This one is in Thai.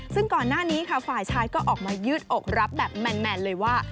ซึ่งก่อนหน้านี้ค่ะฝ่ายชายก็ออกมายืดอกรับแบบแมนเลยว่า